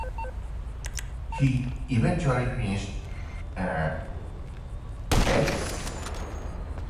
He eventually finished eighth.